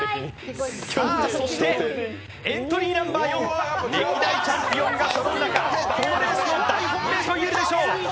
そしてエントリーナンバー４歴代チャンピオンがそろう中、本レースの大本命と言えるでしょう。